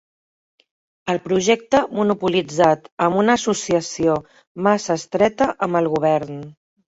El projecte monopolitzat amb una associació massa estreta amb el govern.